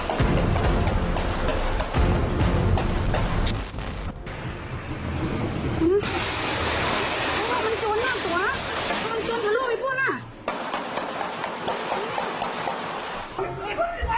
อีกประเด็นร้อนเท่าไหร่นะ